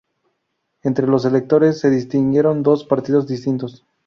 Entre los electores se distinguieron dos partidos distintos.